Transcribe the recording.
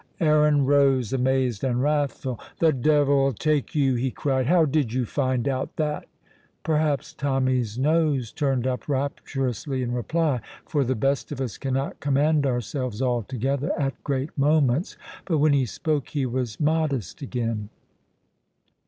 Aaron rose, amazed and wrathful. "The de'il tak' you," he cried, "how did you find out that?" Perhaps Tommy's nose turned up rapturously in reply, for the best of us cannot command ourselves altogether at great moments, but when he spoke he was modest again.